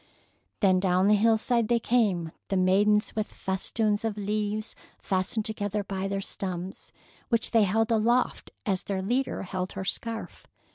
Then down the hillside they came, the maidens with festoons of leaves fastened together by their stems, which they held aloft as their leader held her scarf.